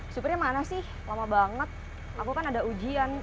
supirnya mana sih lama banget aku kan ada ujian